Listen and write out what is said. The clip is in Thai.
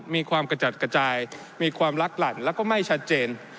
มีความกระจัดกระจายมีความลักหลั่นแล้วก็ไม่ชัดเจน